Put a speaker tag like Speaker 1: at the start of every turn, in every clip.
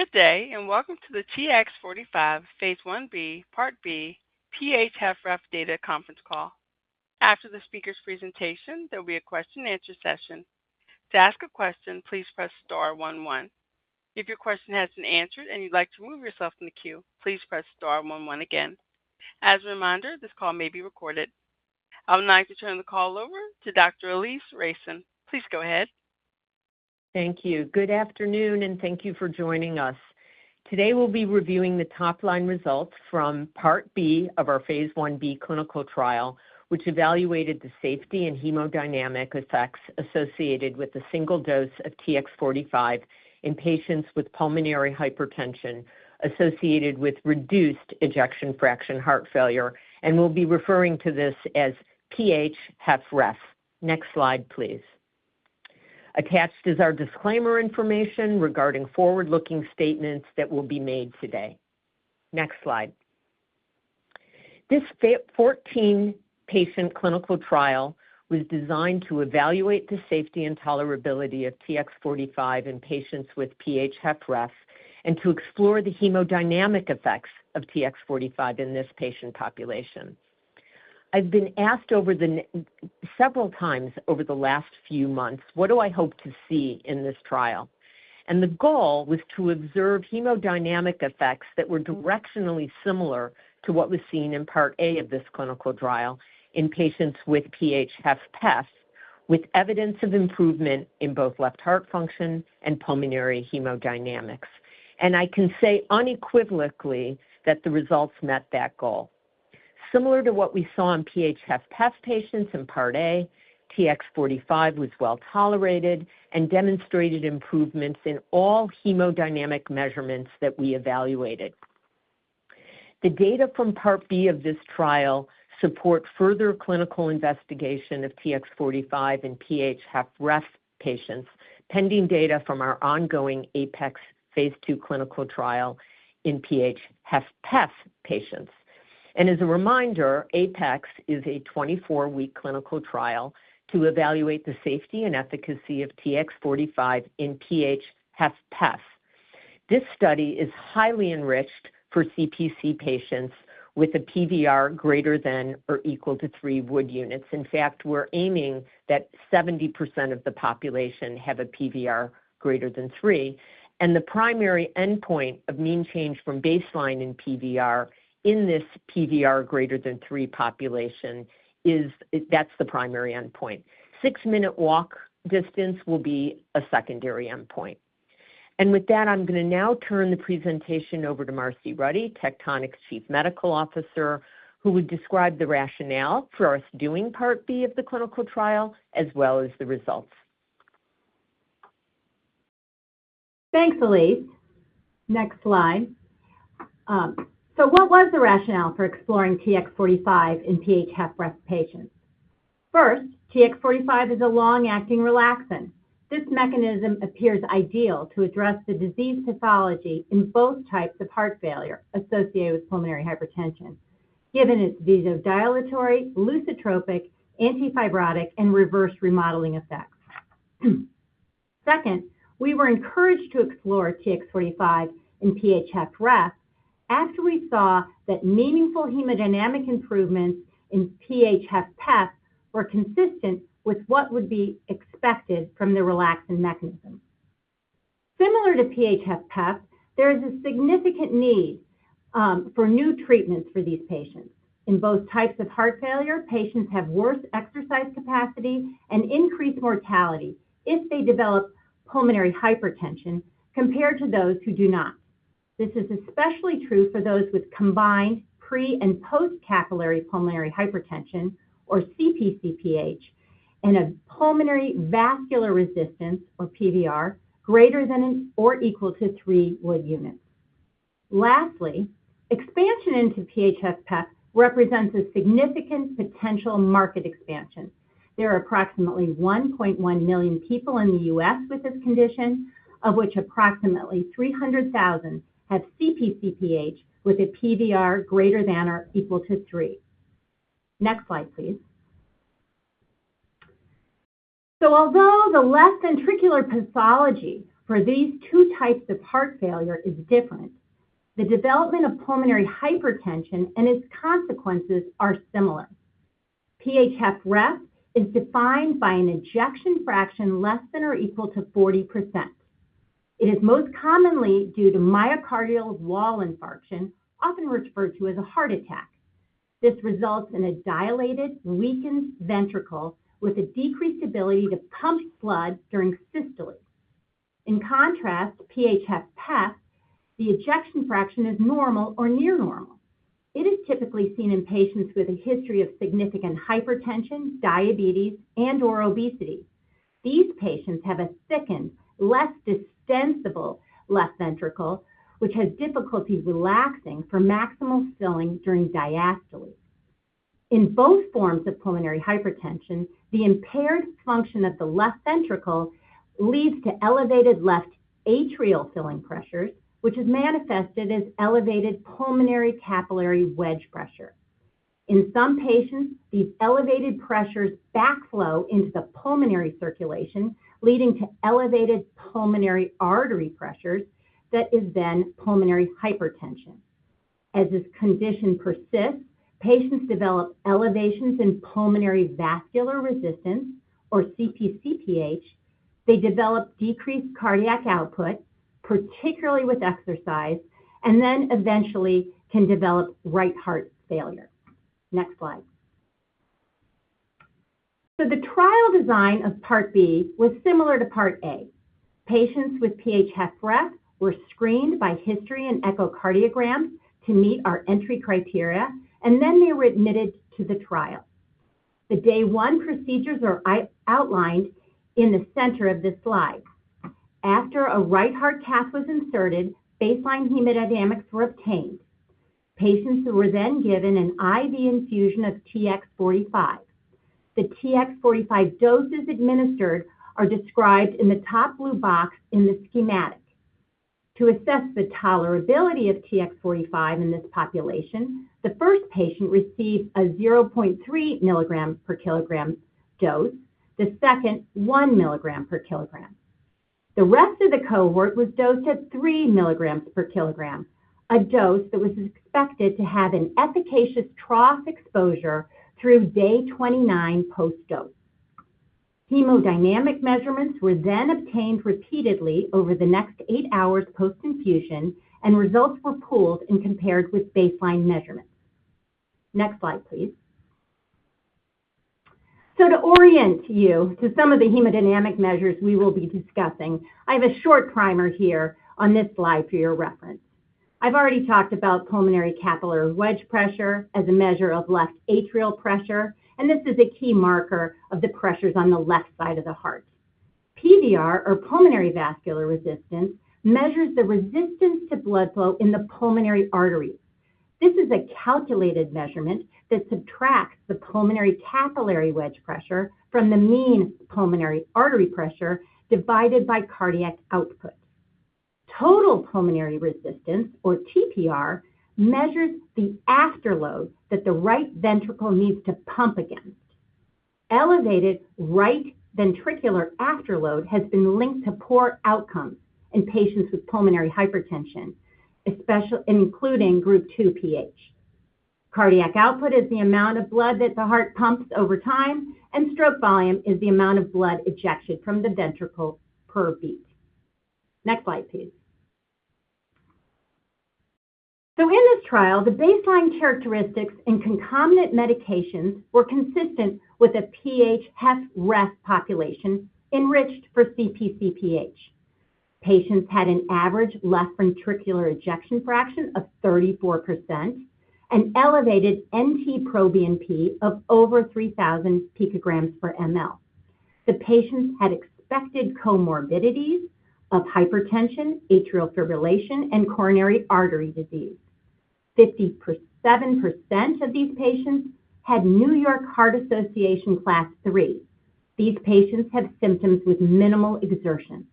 Speaker 1: Good day and welcome to the TX45 Phase I-B Part B PH-FrEF Data Conference Call. After the speaker's presentation, there will be a question and answer session. To ask a question, please press star one one. If your question has been answered and you would like to move yourself from the queue, please press star one one again. As a reminder, this call may be recorded. I would now like to turn the call over to Dr. Alise Reicin. Please go ahead.
Speaker 2: Thank you. Good afternoon and thank you for joining us. Today we'll be reviewing the top-line results from Part B of our phase I-B clinical trial, which evaluated the safety and hemodynamic effects associated with a single dose of TX45 in patients with pulmonary hypertension associated with reduced ejection fraction heart failure, and we'll be referring to this as PH-FrEF. Next slide, please. Attached is our disclaimer information regarding forward-looking statements that will be made today. Next slide. This 14-patient clinical trial was designed to evaluate the safety and tolerability of TX45 in patients with PH-FrEF and to explore the hemodynamic effects of TX45 in this patient population. I've been asked several times over the last few months, "What do I hope to see in this trial?" The goal was to observe hemodynamic effects that were directionally similar to what was seen in Part A of this clinical trial in patients with PH-FpEF with evidence of improvement in both left heart function and pulmonary hemodynamics. I can say unequivocally that the results met that goal. Similar to what we saw in PH-FpEF patients in Part A, TX45 was well tolerated and demonstrated improvements in all hemodynamic measurements that we evaluated. The data from Part B of this trial support further clinical investigation of TX45 in PH-FrEF patients pending data from our ongoing APEX phase II clinical trial in PH-FpEF patients. As a reminder, APEX is a 24-week clinical trial to evaluate the safety and efficacy of TX45 in PH-FpEF. This study is highly enriched for Cpc patients with a PVR greater than or equal to 3 WU. In fact, we're aiming that 70% of the population have a PVR greater than 3. The primary endpoint of mean change from baseline in PVR in this PVR greater than 3 population is the primary endpoint. Six-minute walk distance will be a secondary endpoint. With that, I'm going to now turn the presentation over to Marcie Ruddy, Tectonic's Chief Medical Officer, who would describe the rationale for us doing Part B of the clinical trial as well as the results.
Speaker 3: Thanks, Alise. Next slide. What was the rationale for exploring TX45 in PH-FrEF patients? First, TX45 is a long-acting relaxant. This mechanism appears ideal to address the disease pathology in both types of heart failure associated with pulmonary hypertension, given its vasodilatory, lusotropic, antifibrotic, and reverse remodeling effects. Second, we were encouraged to explore TX45 in PH-FrEF after we saw that meaningful hemodynamic improvements in PH-FpEF were consistent with what would be expected from the relaxant mechanism. Similar to PH-FpEF, there is a significant need for new treatments for these patients. In both types of heart failure, patients have worse exercise capacity and increased mortality if they develop pulmonary hypertension compared to those who do not. This is especially true for those with combined pre- and post-capillary pulmonary hypertension, or CpcPH, and a pulmonary vascular resistance, or PVR, greater than or equal to 3 WU. Lastly, expansion into PH-FpEF represents a significant potential market expansion. There are approximately 1.1 million people in the U.S. with this condition, of which approximately 300,000 have CpcPH with a PVR greater than or equal to 3. Next slide, please. Although the left ventricular pathology for these two types of heart failure is different, the development of pulmonary hypertension and its consequences are similar. PH-FrEF is defined by an ejection fraction less than or equal to 40%. It is most commonly due to myocardial wall infarction, often referred to as a heart attack. This results in a dilated, weakened ventricle with a decreased ability to pump blood during systole. In contrast, in PH-FpEF, the ejection fraction is normal or near normal. It is typically seen in patients with a history of significant hypertension, diabetes, and/or obesity. These patients have a thickened, less distensible left ventricle, which has difficulty relaxing for maximal filling during diastole. In both forms of pulmonary hypertension, the impaired function of the left ventricle leads to elevated left atrial filling pressures, which is manifested as elevated pulmonary capillary wedge pressure. In some patients, these elevated pressures backflow into the pulmonary circulation, leading to elevated pulmonary artery pressures that is then pulmonary hypertension. As this condition persists, patients develop elevations in pulmonary vascular resistance, or CpcPH. They develop decreased cardiac output, particularly with exercise, and then eventually can develop right heart failure. Next slide. The trial design of Part B was similar to Part A. Patients with PH-FrEF were screened by history and echocardiogram to meet our entry criteria, and then they were admitted to the trial. The day one procedures are outlined in the center of this slide. After a right heart cath was inserted, baseline hemodynamics were obtained. Patients were then given an IV infusion of TX45. The TX45 doses administered are described in the top blue box in the schematic. To assess the tolerability of TX45 in this population, the first patient received a 0.3 mg/kg dose, the second 1 mg/kg. The rest of the cohort was dosed at 3 mg/kg, a dose that was expected to have an efficacious trough exposure through day 29 post-dose. Hemodynamic measurements were then obtained repeatedly over the next 8 hours post-infusion, and results were pooled and compared with baseline measurements. Next slide, please. To orient you to some of the hemodynamic measures we will be discussing, I have a short primer here on this slide for your reference. I've already talked about pulmonary capillary wedge pressure as a measure of left atrial pressure, and this is a key marker of the pressures on the left side of the heart. PVR, or pulmonary vascular resistance, measures the resistance to blood flow in the pulmonary arteries. This is a calculated measurement that subtracts the pulmonary capillary wedge pressure from the mean pulmonary artery pressure divided by cardiac output. Total pulmonary resistance, or TPR, measures the afterload that the right ventricle needs to pump against. Elevated right ventricular afterload has been linked to poor outcomes in patients with pulmonary hypertension, especially including Group 2 PH. Cardiac output is the amount of blood that the heart pumps over time, and stroke volume is the amount of blood ejected from the ventricle per beat. Next slide, please. In this trial, the baseline characteristics and concomitant medications were consistent with a PH-FrEF population enriched for CpcPH. Patients had an average left ventricular ejection fraction of 34% and elevated NT-proBNP of over 3,000 pg/mL. The patients had expected comorbidities of hypertension, atrial fibrillation, and coronary artery disease. 57% of these patients had New York Heart Association Class III. These patients have symptoms with minimal exertion.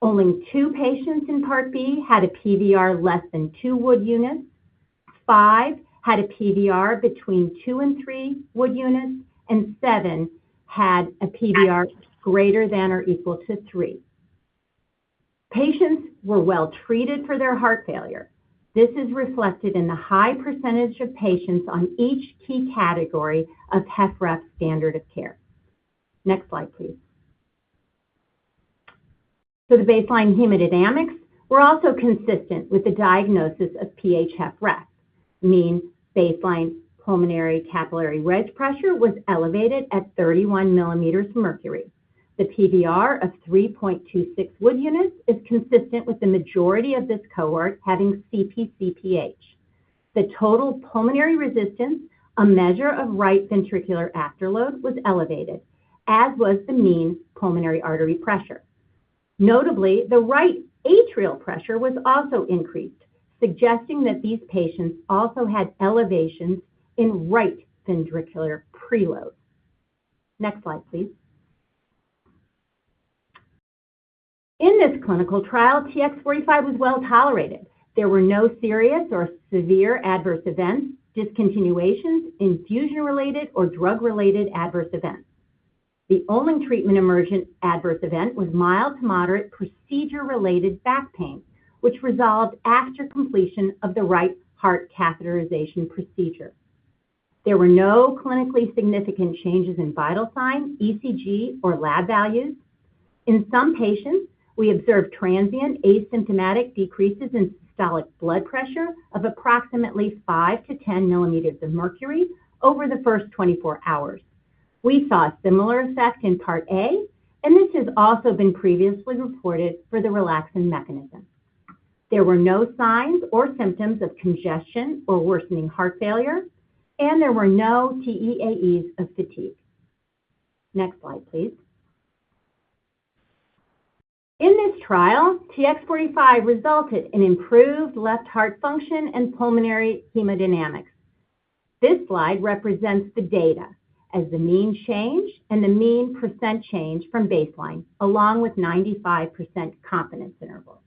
Speaker 3: Only two patients in Part B had a PVR less than 2 WU, five had a PVR between 2 and 3 WU, and seven had a PVR greater than or equal to 3. Patients were well treated for their heart failure. This is reflected in the high percentage of patients on each key category of HFrEF standard of care. Next slide, please. The baseline hemodynamics were also consistent with the diagnosis of PH-FrEF. Mean baseline pulmonary capillary wedge pressure was elevated at 31 mm Hg. The PVR of 3.26 WU is consistent with the majority of this cohort having CpcPH. The total pulmonary resistance, a measure of right ventricular afterload, was elevated, as was the mean pulmonary artery pressure. Notably, the right atrial pressure was also increased, suggesting that these patients also had elevations in right ventricular preload. Next slide, please. In this clinical trial, TX45 was well tolerated. There were no serious or severe adverse events, discontinuations, infusion-related, or drug-related adverse events. The only treatment emergent adverse event was mild to moderate procedure-related back pain, which resolved after completion of the right heart catheterization procedure. There were no clinically significant changes in vital signs, ECG, or lab values. In some patients, we observed transient asymptomatic decreases in systolic blood pressure of approximately 5 mm Hg-10 mm Hg over the first 24 hours. We saw a similar effect in Part A, and this has also been previously reported for the relaxant mechanism. There were no signs or symptoms of congestion or worsening heart failure, and there were no TEAEs of fatigue. Next slide, please. In this trial, TX45 resulted in improved left heart function and pulmonary hemodynamics. This slide represents the data as the mean change and the mean percent change from baseline, along with 95% confidence intervals.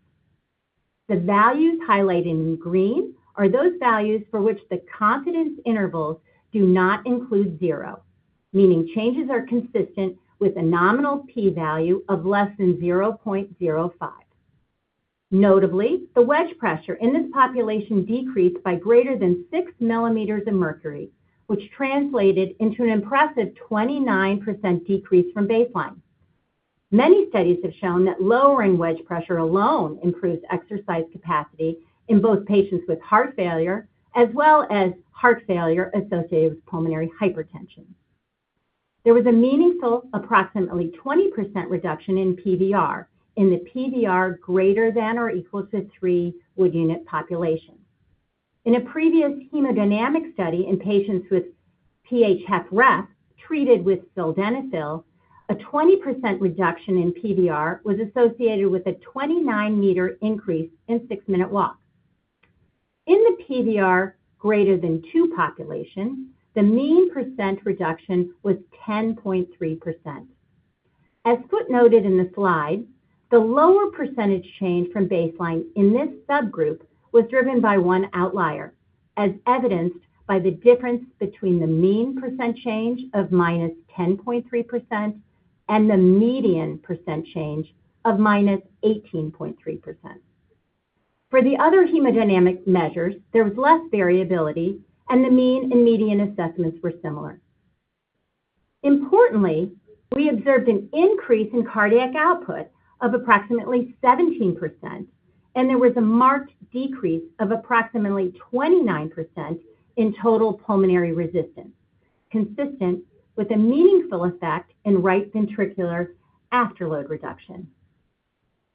Speaker 3: The values highlighted in green are those values for which the confidence intervals do not include zero, meaning changes are consistent with a nominal p-value of less than 0.05. Notably, the wedge pressure in this population decreased by greater than 6 mm Hg, which translated into an impressive 29% decrease from baseline. Many studies have shown that lowering wedge pressure alone improves exercise capacity in both patients with heart failure as well as heart failure associated with pulmonary hypertension. There was a meaningful, approximately 20% reduction in PVR in the PVR greater than or equal to 3 WU population. In a previous hemodynamic study in patients with PH-FrEF treated with sildenafil, a 20% reduction in PVR was associated with a 29-meter increase in 6-minute walk. In the PVR greater than 2 population, the mean percent reduction was 10.3%. As footnoted in the slide, the lower percent change from baseline in this subgroup was driven by one outlier, as evidenced by the difference between the mean percent change of -10.3% and the median percent change of -18.3%. For the other hemodynamic measures, there was less variability, and the mean and median assessments were similar. Importantly, we observed an increase in cardiac output of approximately 17%, and there was a marked decrease of approximately 29% in total pulmonary resistance, consistent with a meaningful effect in right ventricular afterload reduction.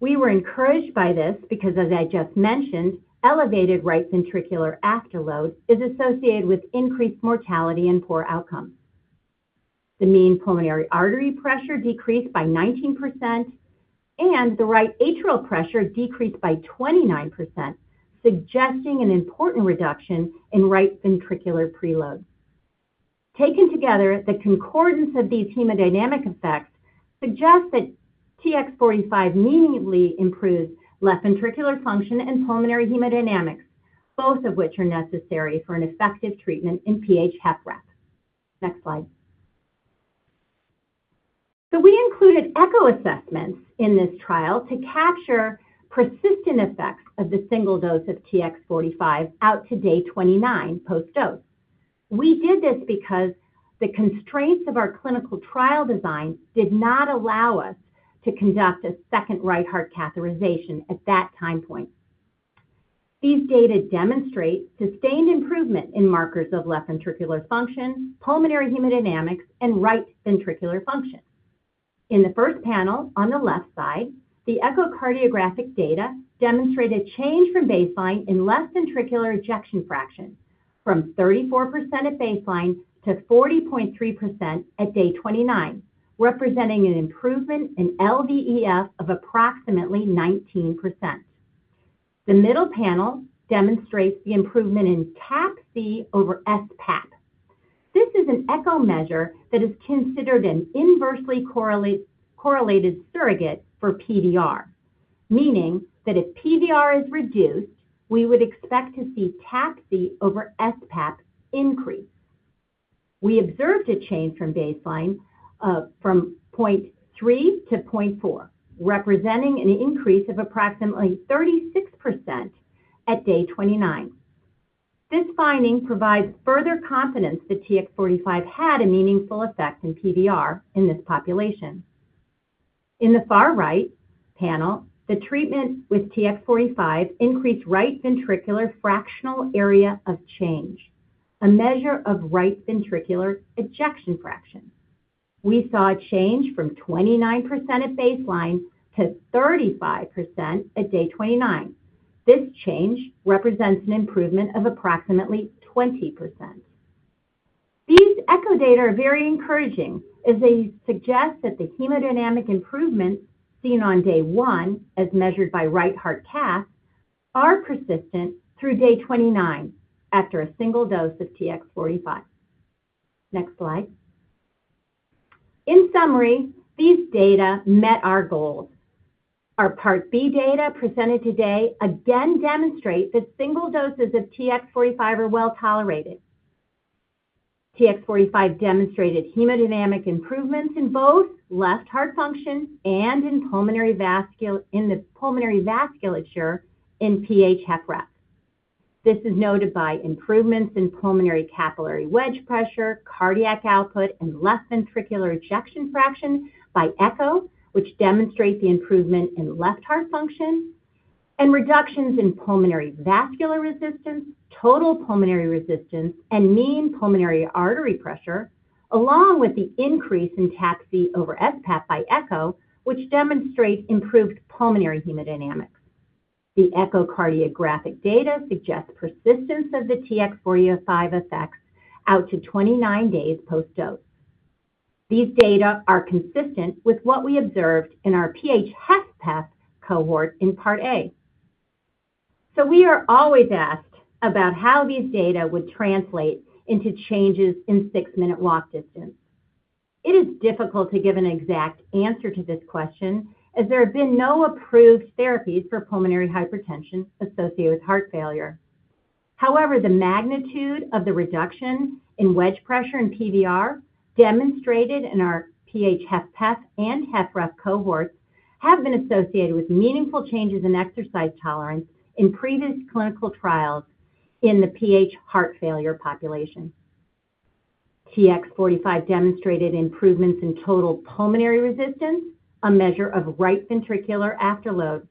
Speaker 3: We were encouraged by this because, as I just mentioned, elevated right ventricular afterload is associated with increased mortality and poor outcomes. The mean pulmonary artery pressure decreased by 19%, and the right atrial pressure decreased by 29%, suggesting an important reduction in right ventricular preload. Taken together, the concordance of these hemodynamic effects suggests that TX45 meaningfully improves left ventricular function and pulmonary hemodynamics, both of which are necessary for an effective treatment in PH-FrEF. Next slide. We included echo assessments in this trial to capture persistent effects of the single dose of TX45 out to day 29 post-dose. We did this because the constraints of our clinical trial design did not allow us to conduct a second right heart catheterization at that time point. These data demonstrate sustained improvement in markers of left ventricular function, pulmonary hemodynamics, and right ventricular function. In the first panel on the left side, the echocardiographic data demonstrated change from baseline in left ventricular ejection fraction from 34% at baseline to 40.3% at day 29, representing an improvement in LVEF of approximately 19%. The middle panel demonstrates the improvement in TAPSE/SPAP. This is an echo measure that is considered an inversely correlated surrogate for PVR, meaning that if PVR is reduced, we would expect to see TAPSE/SPAP increase. We observed a change from baseline from 0.3 to 0.4, representing an increase of approximately 36% at day 29. This finding provides further confidence that TX45 had a meaningful effect in PVR in this population. In the far right panel, the treatment with TX45 increased right ventricular fractional area of change, a measure of right ventricular ejection fraction. We saw a change from 29% at baseline to 35% at day 29. This change represents an improvement of approximately 20%. These echo data are very encouraging, as they suggest that the hemodynamic improvements seen on day 1, as measured by right heart cath, are persistent through day 29 after a single dose of TX45. Next slide. In summary, these data met our goals. Our Part B data presented today again demonstrate that single doses of TX45 are well tolerated. TX45 demonstrated hemodynamic improvements in both left heart function and in the pulmonary vasculature in PH-FrEF. This is noted by improvements in pulmonary capillary wedge pressure, cardiac output, and left ventricular ejection fraction by echo, which demonstrate the improvement in left heart function and reductions in pulmonary vascular resistance, total pulmonary resistance, and mean pulmonary artery pressure, along with the increase in TAPSE/SPAP by echo, which demonstrates improved pulmonary hemodynamics. The echocardiographic data suggest persistence of the TX45 effects out to 29 days post-dose. These data are consistent with what we observed in our PH-FpEF cohort in Part A. We are always asked about how these data would translate into changes in 6-minute walk distance. It is difficult to give an exact answer to this question, as there have been no approved therapies for pulmonary hypertension associated with heart failure. However, the magnitude of the reduction in wedge pressure and PVR demonstrated in our PH-FpEF and FrEF cohorts have been associated with meaningful changes in exercise tolerance in previous clinical trials in the PH heart failure population. TX45 demonstrated improvements in total pulmonary resistance, a measure of right ventricular afterload.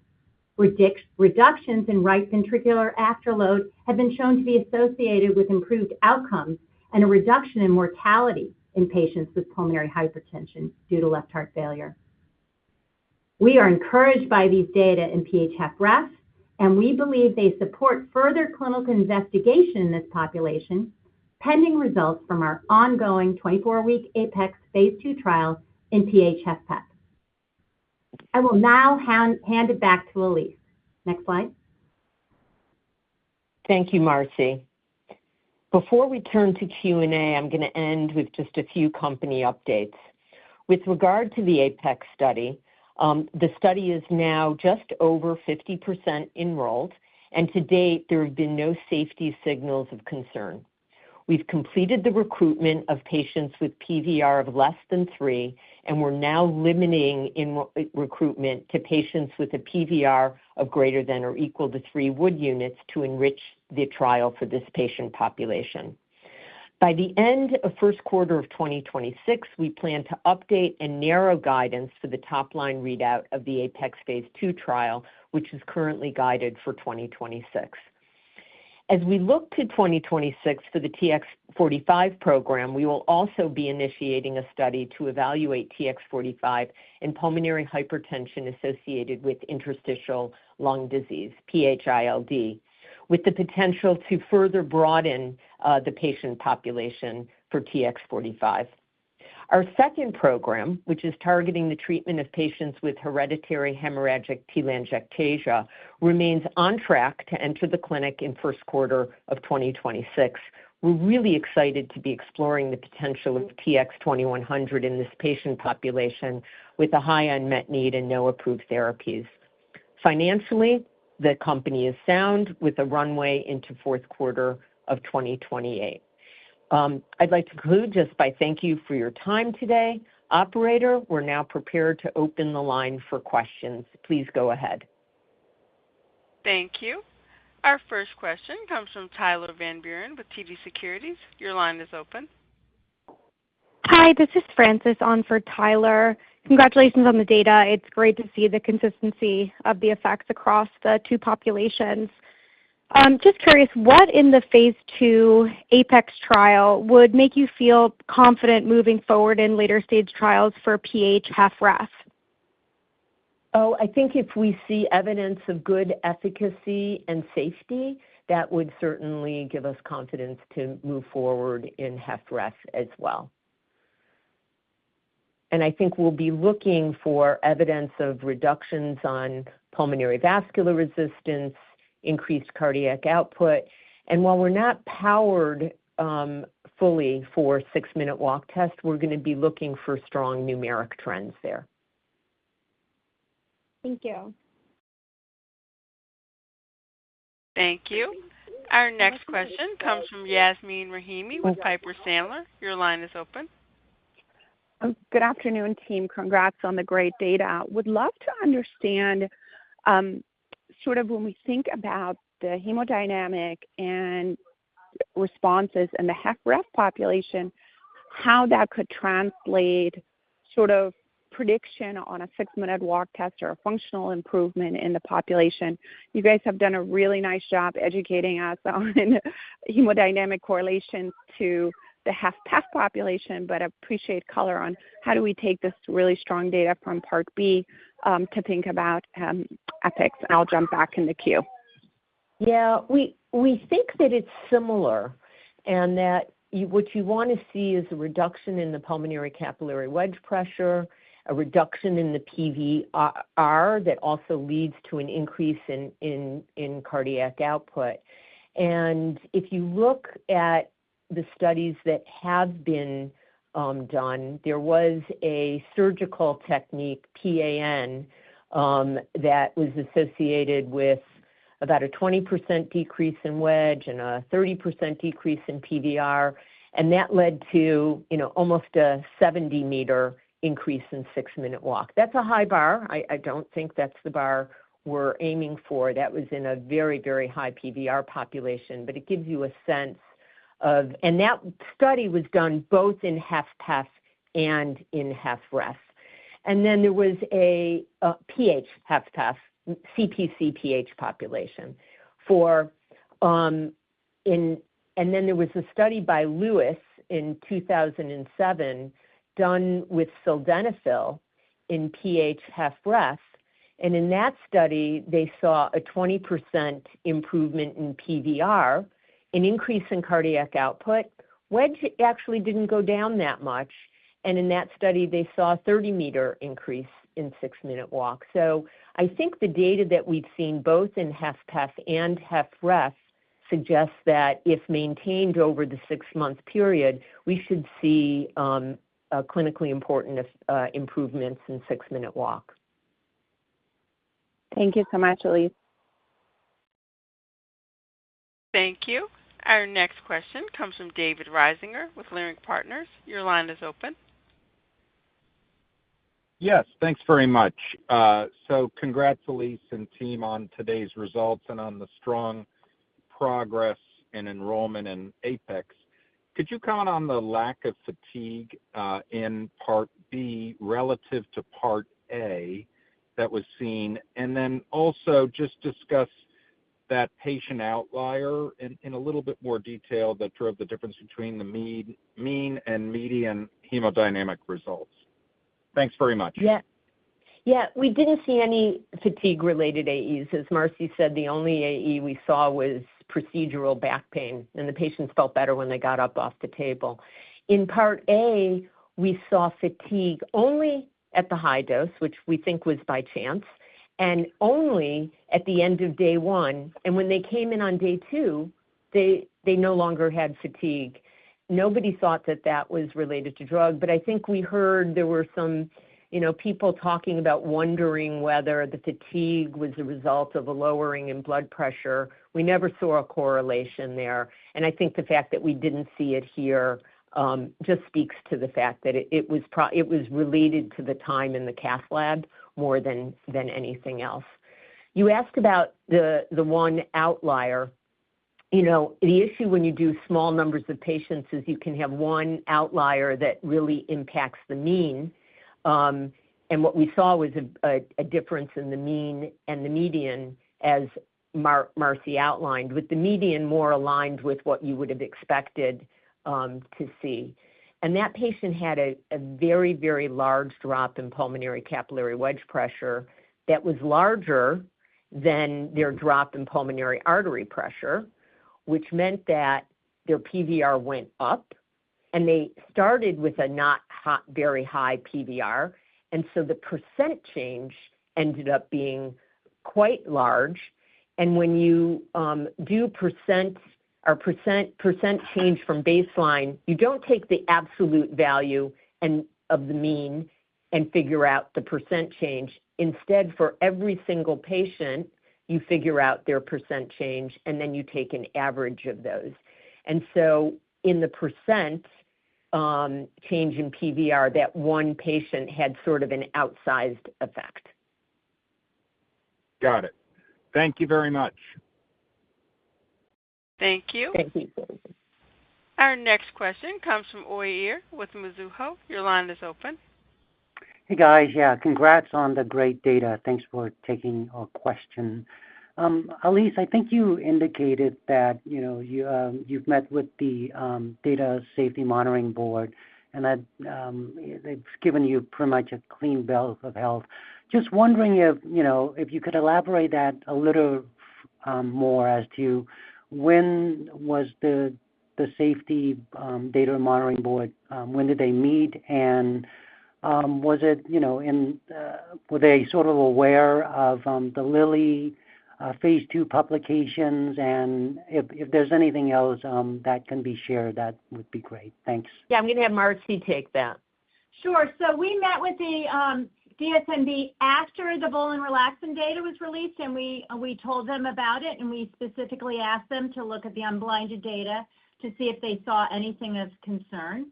Speaker 3: Reductions in right ventricular afterload have been shown to be associated with improved outcomes and a reduction in mortality in patients with pulmonary hypertension due to left heart failure. We are encouraged by these data in PH-FrEF, and we believe they support further clinical investigation in this population pending results from our ongoing 24-week APEX phase II trial in PH-FpEF. I will now hand it back to Alise. Next slide.
Speaker 2: Thank you, Marcie. Before we turn to Q&A, I'm going to end with just a few company updates. With regard to the APEX study, the study is now just over 50% enrolled, and to date, there have been no safety signals of concern. We've completed the recruitment of patients with PVR of less than 3, and we're now limiting recruitment to patients with a PVR of greater than or equal to 3 WU to enrich the trial for this patient population. By the end of the first quarter of 2026, we plan to update and narrow guidance for the top-line readout of the APEX phase II trial, which is currently guided for 2026. As we look to 2026 for the TX45 program, we will also be initiating a study to evaluate TX45 in pulmonary hypertension associated with interstitial lung disease, PH ILD, with the potential to further broaden the patient population for TX45. Our second program, which is targeting the treatment of patients with hereditary hemorrhagic telangiectasia, remains on track to enter the clinic in the first quarter of 2026. We're really excited to be exploring the potential of TX2100 in this patient population with a high unmet need and no approved therapies. Financially, the company is sound with a runway into the fourth quarter of 2028. I'd like to conclude just by thanking you for your time today. Operator, we're now prepared to open the line for questions. Please go ahead.
Speaker 1: Thank you. Our first question comes from Tyler Van Buren with TD Securities. Your line is open. Hi, this is Frances on for Tyler. Congratulations on the data. It's great to see the consistency of the effects across the two populations. I'm just curious, what in the phase II APEX trial would make you feel confident moving forward in later stage trials for PH-FrEF?
Speaker 2: I think if we see evidence of good efficacy and safety, that would certainly give us confidence to move forward in HFrEF as well. I think we'll be looking for evidence of reductions on pulmonary vascular resistance, increased cardiac output. While we're not powered fully for a 6-minute walk test, we're going to be looking for strong numeric trends there. Thank you.
Speaker 1: Thank you. Our next question comes from Yasmeen Rahimi with Piper Sandler. Your line is open.
Speaker 4: Good afternoon, team. Congrats on the great data. Would love to understand sort of when we think about the hemodynamic and responses in the HFrEF population, how that could translate sort of prediction on a 6-minute walk test or a functional improvement in the population. You guys have done a really nice job educating us on hemodynamic correlations to the HFpEF population. I appreciate color on how do we take this really strong data from Part B to think about APEX. I'll jump back in the queue.
Speaker 2: Yeah, we think that it's similar in that what you want to see is a reduction in the pulmonary capillary wedge pressure, a reduction in the PVR that also leads to an increase in cardiac output. If you look at the studies that have been done, there was a surgical technique, PAN, that was associated with about a 20% decrease in wedge and a 30% decrease in PVR. That led to almost a 70-meter increase in 6-minute walk. That's a high bar. I don't think that's the bar we're aiming for. That was in a very, very high PVR population, but it gives you a sense of, and that study was done both in HFpEF and in HFrEF. There was a PH-FpEF, CpcPH population. There was a study by Lewis in 2007 done with sildenafil in PH-FrEF. In that study, they saw a 20% improvement in PVR, an increase in cardiac output. Wedge actually didn't go down that much. In that study, they saw a 30-meter increase in 6-minute walk. I think the data that we've seen both in HFpEF and HFrEF suggests that if maintained over the six-month period, we should see clinically important improvements in 6-minute walk.
Speaker 4: Thank you so much, Alise.
Speaker 1: Thank you. Our next question comes from David Risinger with Leerink Partners. Your line is open.
Speaker 5: Yes, thanks very much. Congrats, Alise and team, on today's results and on the strong progress in enrollment in APEX. Could you comment on the lack of fatigue in Part B relative to Part A that was seen? Also, just discuss that patient outlier in a little bit more detail that drove the difference between the mean and median hemodynamic results. Thanks very much.
Speaker 2: Yeah, yeah, we didn't see any fatigue-related AEs. As Marcie said, the only AE we saw was procedural back pain, and the patients felt better when they got up off the table. In Part A, we saw fatigue only at the high dose, which we think was by chance, and only at the end of day one. When they came in on day two, they no longer had fatigue. Nobody thought that that was related to drug. I think we heard there were some people talking about wondering whether the fatigue was a result of a lowering in blood pressure. We never saw a correlation there. I think the fact that we didn't see it here just speaks to the fact that it was related to the time in the cath lab more than anything else. You asked about the one outlier. The issue when you do small numbers of patients is you can have one outlier that really impacts the mean. What we saw was a difference in the mean and the median, as Marcie outlined, with the median more aligned with what you would have expected to see. That patient had a very, very large drop in pulmonary capillary wedge pressure that was larger than their drop in pulmonary artery pressure, which meant that their PVR went up. They started with a not very high PVR, so the percent change ended up being quite large. When you do percent change from baseline, you don't take the absolute value of the mean and figure out the percent change. Instead, for every single patient, you figure out their percent change, and then you take an average of those. In the percent change in PVR, that one patient had sort of an outsized effect.
Speaker 5: Got it. Thank you very much.
Speaker 1: Thank you.
Speaker 2: Thank you.
Speaker 1: Our next question comes from Uy Ear with Mizuho. Your line is open.
Speaker 6: Hey, guys. Yeah, congrats on the great data. Thanks for taking our question. Alise, I think you indicated that you've met with the Data Safety Monitoring Board, and that they've given you pretty much a clean bill of health. Just wondering if you could elaborate that a little more as to when was the Data Safety Monitoring Board, when did they meet, and were they sort of aware of the Lilly phase II publications? If there's anything else that can be shared, that would be great. Thanks.
Speaker 2: Yeah, I'm going to have Marcie take that.
Speaker 3: We met with the DSMB after the volume relaxant data was released, and we told them about it. We specifically asked them to look at the unblinded data to see if they saw anything of concern.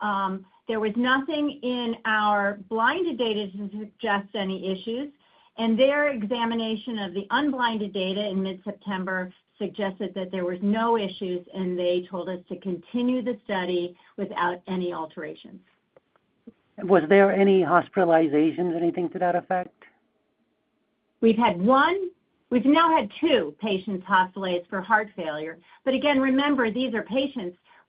Speaker 3: There was nothing in our blinded data to suggest any issues. Their examination of the unblinded data in mid-September suggested that there were no issues, and they told us to continue the study without any alterations.
Speaker 2: Were there any hospitalizations, anything to that effect?
Speaker 3: We've had one. We've now had two patients hospitalized for heart failure. Remember, these are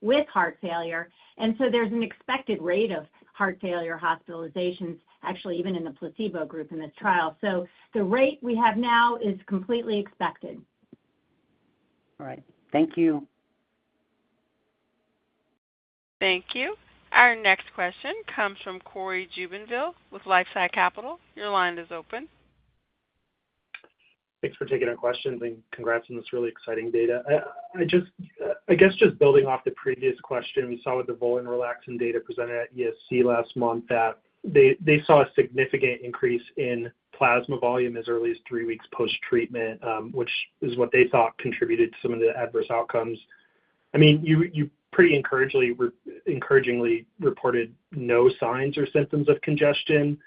Speaker 3: patients with heart failure, and there's an expected rate of heart failure hospitalizations, actually, even in the placebo group in this trial. The rate we have now is completely expected.
Speaker 6: All right. Thank you.
Speaker 1: Thank you. Our next question comes from Cory Jubinville with LifeSci Capital. Your line is open.
Speaker 7: Thanks for taking our questions and congrats on this really exciting data. I guess just building off the previous question, we saw with the volume relaxant data presented at ESC last month that they saw a significant increase in plasma volume as early as three weeks post-treatment, which is what they thought contributed to some of the adverse outcomes. You pretty encouragingly reported no signs or symptoms of congestion.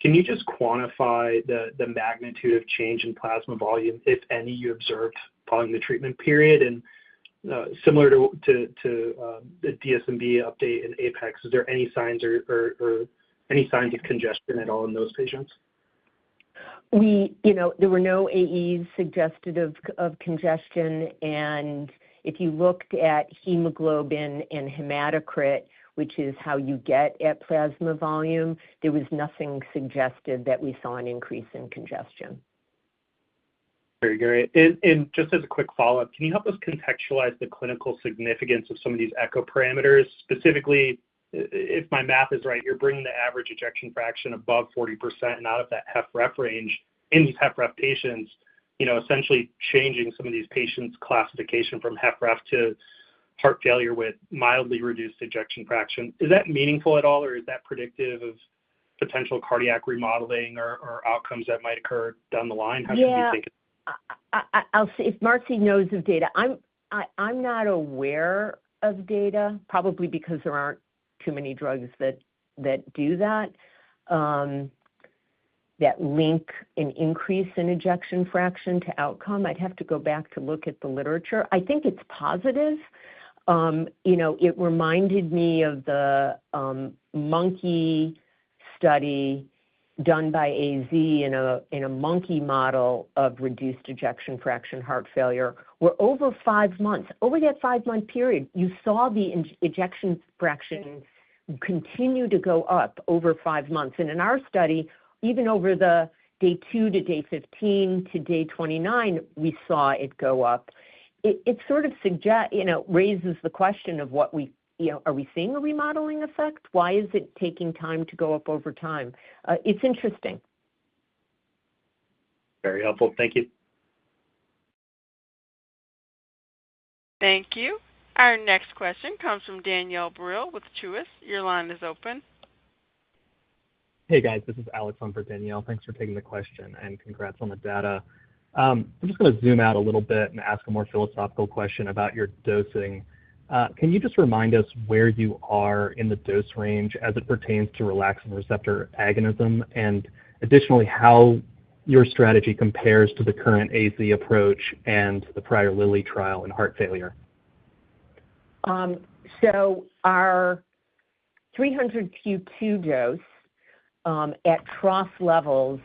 Speaker 7: Can you just quantify the magnitude of change in plasma volume, if any, you observed following the treatment period? Similar to the DSMB update in APEX, is there any signs or any signs of congestion at all in those patients?
Speaker 2: There were no AEs suggested of congestion. If you looked at hemoglobin and hematocrit, which is how you get at plasma volume, there was nothing suggested that we saw an increase in congestion.
Speaker 7: Very good. Just as a quick follow-up, can you help us contextualize the clinical significance of some of these echo parameters? Specifically, if my math is right, you're bringing the average ejection fraction above 40% and out of that HFrEF range in these HFrEF patients, essentially changing some of these patients' classification from HFrEF to heart failure with mildly reduced ejection fraction. Is that meaningful at all, or is that predictive of potential cardiac remodeling or outcomes that might occur down the line? How should we take it?
Speaker 2: Yeah, I'll see if Marcie knows of data. I'm not aware of data, probably because there aren't too many drugs that do that, that link an increase in ejection fraction to outcome. I'd have to go back to look at the literature. I think it's positive. You know, it reminded me of the monkey study done by AZ in a monkey model of reduced ejection fraction heart failure, where over five months, over that five-month period, you saw the ejection fraction continue to go up over five months. In our study, even over the day 2 to day 15 to day 29, we saw it go up. It sort of raises the question of what we, you know, are we seeing a remodeling effect? Why is it taking time to go up over time? It's interesting.
Speaker 7: Very helpful. Thank you.
Speaker 1: Thank you. Our next question comes from Danielle Brill with Truist. Your line is open. Hey, guys. This is Alex from Danielle. Thanks for taking the question and congrats on the data. I'm just going to zoom out a little bit and ask a more philosophical question about your dosing. Can you just remind us where you are in the dose range as it pertains to relaxant receptor agonism and additionally how your strategy compares to the current AZ approach and the prior Eli Lilly trial in heart failure?
Speaker 2: Our 300-Q2 dose at trough levels,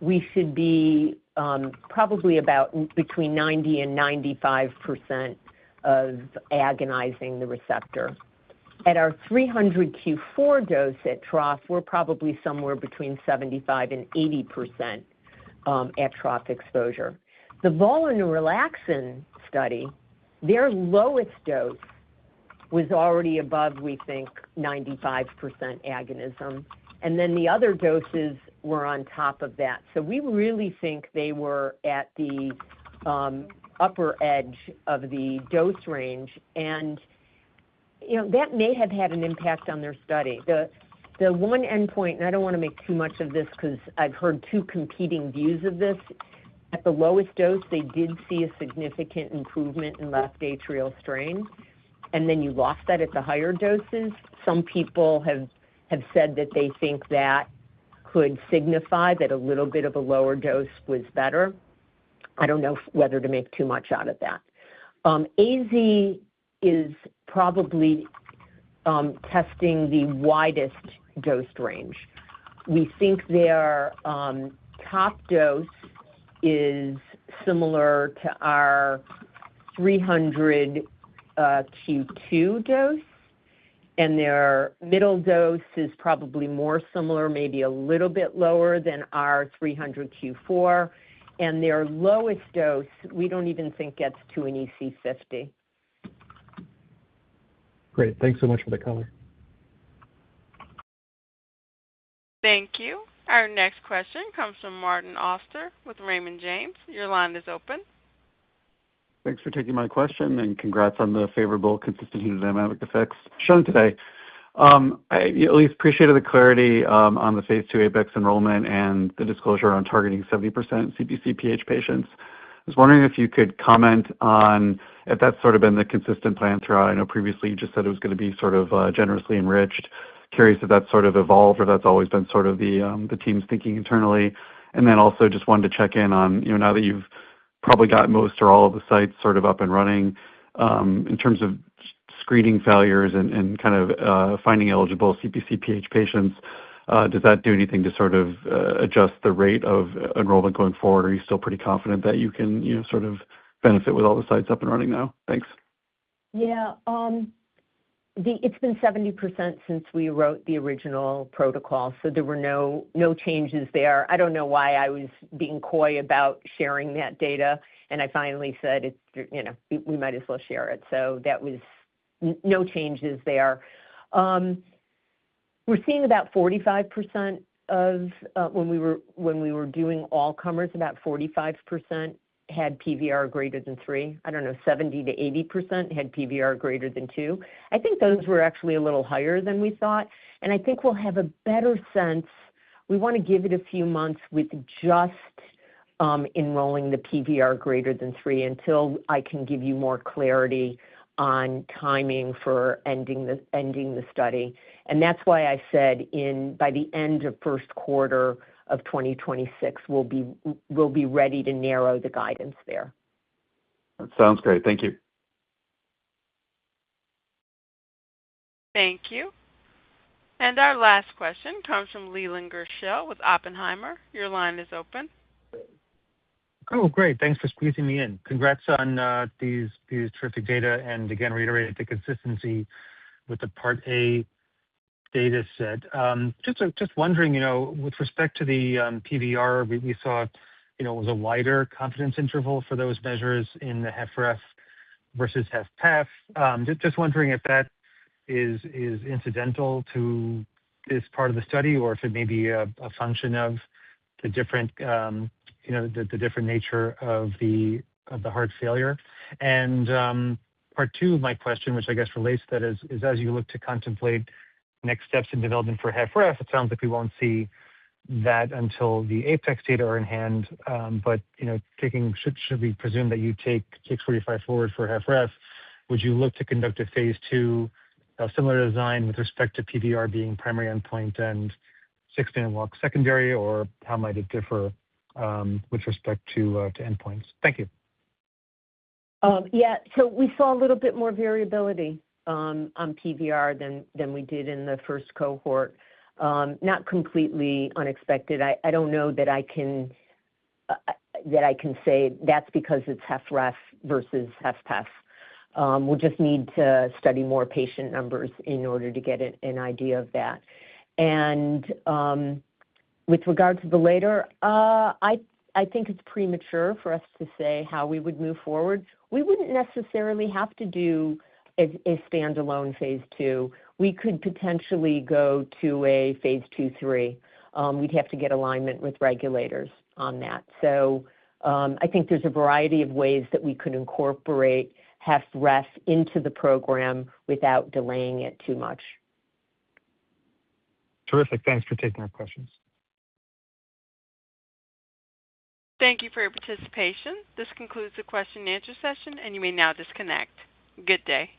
Speaker 2: we should be probably between 90% and 95% of agonizing the receptor. At our 300-Q4 dose at trough, we're probably somewhere between 75% and 80% at trough exposure. The volume relaxant study, their lowest dose was already above, we think, 95% agonism. The other doses were on top of that. We really think they were at the upper edge of the dose range. That may have had an impact on their study. The one endpoint, and I don't want to make too much of this because I've heard two competing views of this. At the lowest dose, they did see a significant improvement in left atrial strain, and then you lost that at the higher doses. Some people have said that they think that could signify that a little bit of a lower dose was better. I don't know whether to make too much out of that. AZ is probably testing the widest dose range. We think their top dose is similar to our 300-Q2 dose, and their middle dose is probably more similar, maybe a little bit lower than our 300-Q4. Their lowest dose, we don't even think gets to an EC50. Great, thanks so much for the color.
Speaker 1: Thank you. Our next question comes from Martin Auster with Raymond James. Your line is open.
Speaker 8: Thanks for taking my question and congrats on the favorable, consistent hemodynamic effects shown today. I at least appreciated the clarity on the APEX phase II enrollment and the disclosure on targeting 70% CpcPH patients. I was wondering if you could comment on if that's sort of been the consistent plan throughout. I know previously you just said it was going to be sort of generously enriched. Curious if that's sort of evolved or that's always been sort of the team's thinking internally. Also, just wanted to check in on, you know, now that you've probably got most or all of the sites up and running, in terms of screening failures and kind of finding eligible CpcPH patients, does that do anything to adjust the rate of enrollment going forward? Are you still pretty confident that you can, you know, sort of benefit with all the sites up and running now? Thanks.
Speaker 2: Yeah. It's been 70% since we wrote the original protocol. There were no changes there. I don't know why I was being coy about sharing that data. I finally said, you know, we might as well share it. There were no changes there. We're seeing about 45% of when we were doing all comers, about 45% had PVR greater than 3. I don't know, 70%-80% had PVR greater than 2. I think those were actually a little higher than we thought. I think we'll have a better sense. We want to give it a few months with just enrolling the PVR greater than 3 until I can give you more clarity on timing for ending the study. That's why I said by the end of first quarter of 2026, we'll be ready to narrow the guidance there.
Speaker 8: That sounds great. Thank you.
Speaker 1: Thank you. Our last question comes from Leland Gershell with Oppenheimer. Your line is open.
Speaker 9: Oh, great. Thanks for squeezing me in. Congrats on these terrific data. Again, reiterate the consistency with the Part A data set. Just wondering, with respect to the PVR, we saw it was a wider confidence interval for those measures in the HFrEF versus HFpEF. Just wondering if that is incidental to this part of the study or if it may be a function of the different nature of the heart failure. Part 2 of my question, which I guess relates to that, is as you look to contemplate next steps in development for HFrEF, it sounds like we won't see that until the APEX data are in hand. Taking should we presume that you take TX45 forward for HFrEF, would you look to conduct a phase II, a similar design with respect to PVR being primary endpoint and 6-minute walk secondary, or how might it differ with respect to endpoints? Thank you.
Speaker 2: Yeah. We saw a little bit more variability on PVR than we did in the first cohort, not completely unexpected. I don't know that I can say that's because it's HFrEF versus HFpEF. We'll just need to study more patient numbers in order to get an idea of that. With regard to the latter, I think it's premature for us to say how we would move forward. We wouldn't necessarily have to do a standalone phase II. We could potentially go to a phase II-III. We'd have to get alignment with regulators on that. I think there's a variety of ways that we could incorporate HFrEF into the program without delaying it too much.
Speaker 9: Terrific. Thanks for taking our questions.
Speaker 1: Thank you for your participation. This concludes the question and answer session, and you may now disconnect. Good day.